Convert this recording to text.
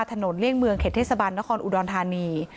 เลี่ยงเมืองเขตเทศบาลนครอุดรธานี